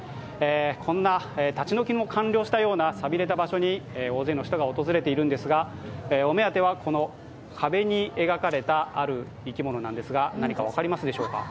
こんな立ち退きの完了したようなさびれた場所に大勢の人が訪れているんですが、お目当てはこの壁に描かれたある生き物なんですが何か分かるでしょうか？